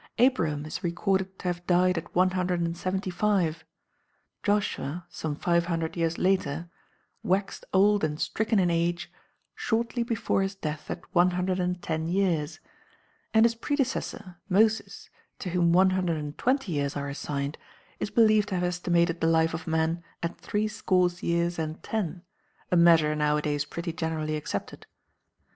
Abraham is recorded to have died at one hundred and seventy five; Joshua, some five hundred years later, "waxed old and stricken in age" shortly before his death at one hundred and ten years; and his predecessor, Moses, to whom one hundred and twenty years are assigned, is believed to have estimated the life of man at threescore years and ten a measure nowadays pretty generally accepted.